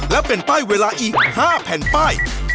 และเป็นป้ายเวลาอีก๕แผ่นป้าย